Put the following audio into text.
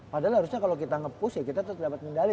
padahal harusnya kalau kita ngepus ya kita tetep dapat mendali